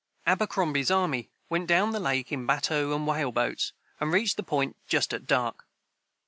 Abercrombie's army went down the lake in batteaux and whaleboats, and reached the Point just at dark.